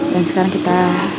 dan sekarang kita